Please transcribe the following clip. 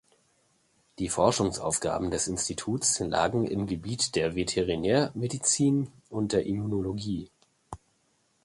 Die Forschungsaufgaben des Instituts lagen im Gebiet der Veterinärmedizin und der Immunologie.